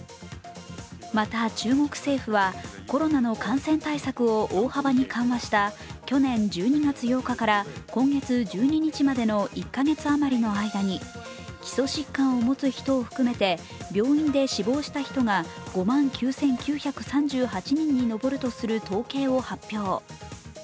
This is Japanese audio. また中国政府はコロナの感染対策を大幅に緩和した去年１２月８日から今月１２日までの１カ月余りの間に基礎疾患を持つ人を含めて病院で死亡した人が５万９９３８人にのぼるとする統計を発表。